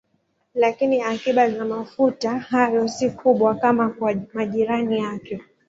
Lakini akiba za mafuta hayo si kubwa kama kwa majirani yake.